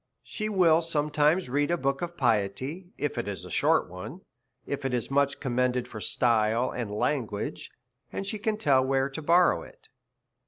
She will sometimes read a book of piety, if it is a short one, if it is much commended for style and lan guage, and she can tell where to borrow it.